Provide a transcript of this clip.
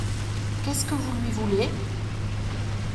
Qu’est-ce que vous lui voulez ?…